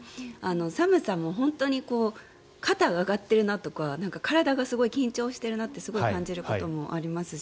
寒さも本当に肩が上がっているなとか体がすごい緊張しているなってすごい感じることもありますし